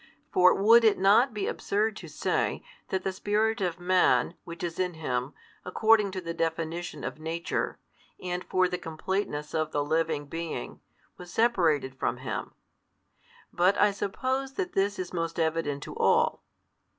For would it not be absurd to say, that the spirit of man, which is in him, according to the definition of nature, and for the completeness of the living being, was separated from him? But I suppose that this is most evident to all.